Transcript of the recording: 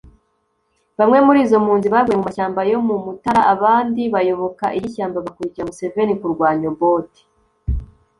Bamwe muri izo mpunzi baguye mu mashyamba yo mu Mutara abandi bayoboka iy’ishyamba bakurikira Museveni kurwanya Obote